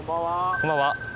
こんばんは。